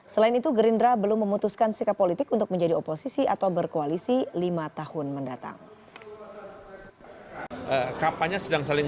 selain itu gerindra belum memutuskan sikap politik untuk menjadi oposisi atau berkoalisi lima tahun mendatang